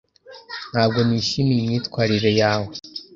Ntabwo nishimiye imyitwarire yawe.